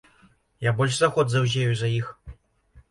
Я больш за год заўзею за іх.